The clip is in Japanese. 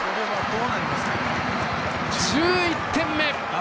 １１点目！